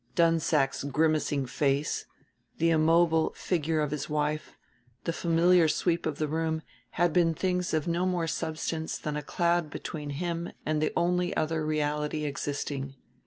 Dunsack's grimacing face, the immobile figure of his wife, the familiar sweep of the room, had been things of no more substance than a cloud between him and the only other reality existing.